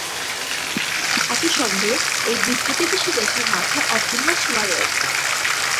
একই সঙ্গে এই দুই প্রতিবেশী দেশের মাঝে অভিন্ন সীমা রয়েছে।